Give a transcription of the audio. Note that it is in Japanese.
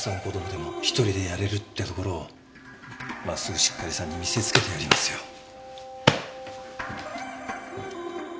子供でも１人でやれるってところを真っすぐしっかりさんに見せつけてやりますよ。